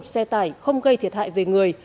một xe tải không gây thiệt hại về người